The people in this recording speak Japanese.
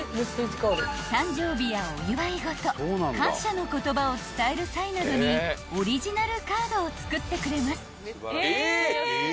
［誕生日やお祝い事感謝の言葉を伝える際などにオリジナルカードを作ってくれます］